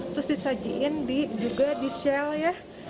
terus disajiin juga di shell ya